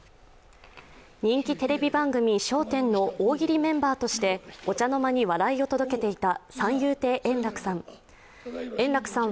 人気テレビ番組「笑点」の大喜利メンバーとしてお茶の間に笑いを届けていた三遊亭円楽さん。